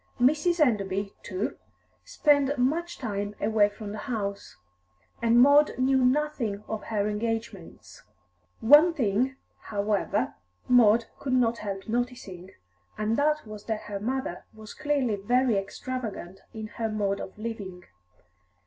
Mrs. Enderby, too, spent much time away from the house, and Maud knew nothing of her engagements. One thing, however, Maud could not help noticing, and that was that her mother was clearly very extravagant in her mode of living.